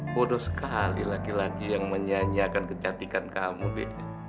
bodoh sekali laki laki yang menyanyikan kecantikan kamu be